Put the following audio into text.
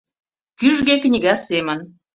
Кӱжгӧ книга семын.